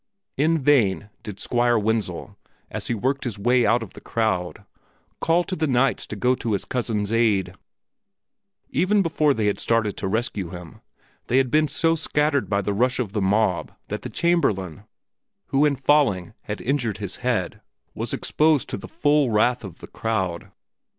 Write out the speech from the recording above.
In vain did the Squire Wenzel, as he worked his way out of the crowd, call to the knights to go to his cousin's aid; even before they had started to rescue him, they had been so scattered by the rush of the mob that the Chamberlain, who in falling had injured his head, was exposed to the full wrath of the crowd.